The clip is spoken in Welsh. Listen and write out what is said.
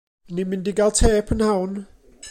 Ni'n mynd i ga'l te prynhawn.